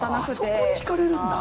そこに引かれるんだ。